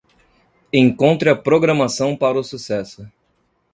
Encontre a programação para o sucesso.